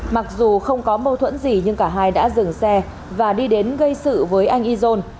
mặc dù không có mâu thuẫn gì nhưng cả hai đã dừng xe và đi đến gây sự với anh izon